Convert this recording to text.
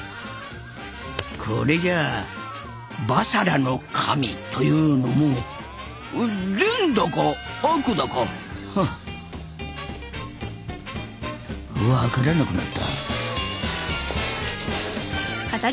これじゃ婆娑羅の神というのも善だか悪だか分からなくなった。